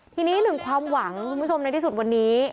ทีนี้หนึ่งความหวังคุณผู้ชมในที่สุดวันนี้